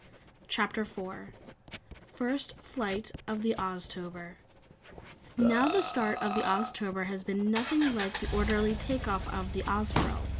CHAPTER 4 First Flight of the Oztober Now the start of the Oztober had been nothing like the orderly take off of the Ozpril.